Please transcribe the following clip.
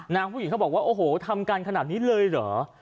ผู้หญิงเขาบอกว่าโอ้โหทำกันขนาดนี้เลยเหรอ